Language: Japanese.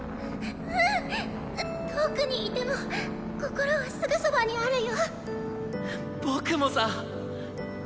「うん遠くにいても心はすぐそばにあるよ」。